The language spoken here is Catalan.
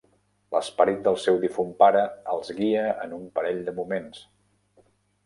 L'esperit del seu difunt pare els guia en un parell de moments.